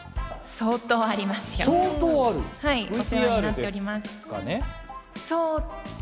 相当あります。